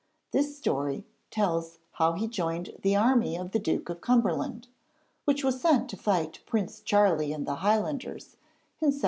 This story tells how he joined the army of the Duke of Cumberland, which was sent to fight Prince Charlie and the Highlanders in 1745.